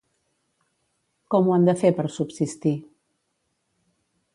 Com ho han de fer per subsistir?